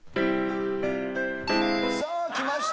さあきました。